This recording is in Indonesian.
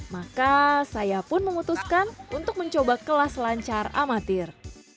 maka saya pun memutuskan untuk mencoba kelas lancar amatir